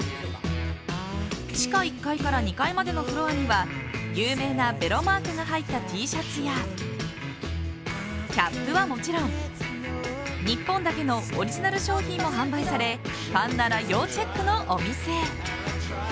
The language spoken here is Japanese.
地下１階から２階までのフロアには有名なベロマークが入ったＴシャツやキャップはもちろん日本だけのオリジナル商品も販売されファンなら要チェックのお店。